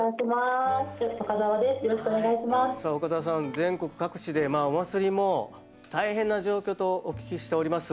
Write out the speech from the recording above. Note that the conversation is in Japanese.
全国各地でお祭りも大変な状況とお聞きしております。